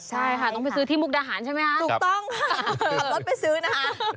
ใช่ค่ะต้องไปซื้อที่มุกดาหารใช่ไหมคะถูกต้องค่ะขับรถไปซื้อนะคะ